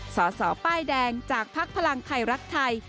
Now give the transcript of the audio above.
สอสอป้ายแดงจากภักดิ์พลังไทยรักไทย